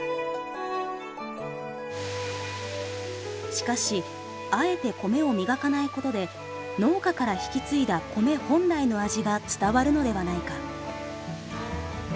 しかしあえて米を磨かないことで農家から引き継いだコメ本来の味が伝わるのではないか。